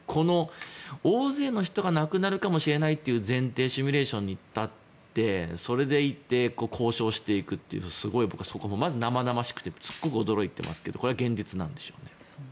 大勢の人が亡くなるかもしれないという前提シミュレーションに立ってそれでいって交渉していくというのはすごい生々しくてすごく驚いていますけどもこれは現実なんでしょうね。